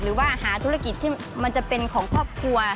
หรือว่าหาธุรกิจที่มันจะเป็นของครอบครัว